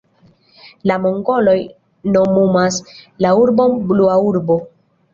La mongoloj nomumas la urbon Blua urbo.